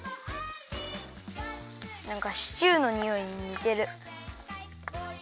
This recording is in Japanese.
なんかシチューのにおいににてる。